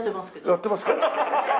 やってますか。